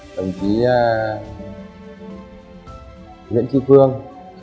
đồng chí nguyễn tri phương